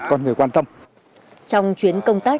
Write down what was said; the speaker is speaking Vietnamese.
con người quan tâm trong chuyến công tác